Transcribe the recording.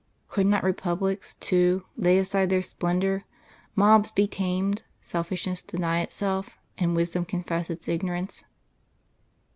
Could not republics, too, lay aside their splendour, mobs be tamed, selfishness deny itself, and wisdom confess its ignorance?...